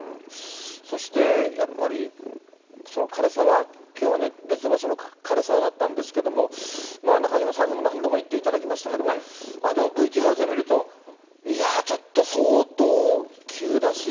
そしてやっぱり枯れ沢、きょうはね、別の場所の枯れ沢だったんですけれども、中島さんにも何度も行っていただきましたけれども、ＶＴＲで見ると、いやー、ちょっと相当急だし、